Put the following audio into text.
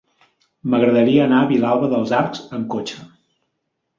M'agradaria anar a Vilalba dels Arcs amb cotxe.